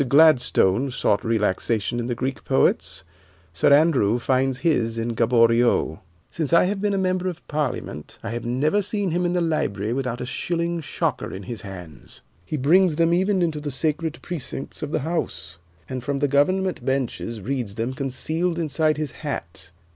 Gladstone sought relaxation in the Greek poets, Sir Andrew finds his in Gaboriau. Since I have been a member of Parliament I have never seen him in the library without a shilling shocker in his hands. He brings them even into the sacred precincts of the House, and from the Government benches reads them concealed inside his hat.